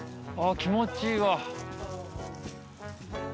あ気持ちいいわ。